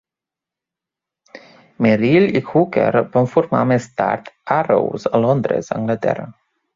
Merrill i Hooker van formar més tard Arrows a Londres, Anglaterra.